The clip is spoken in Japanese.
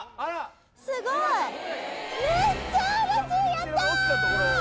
すごいめっちゃ嬉しいやったー！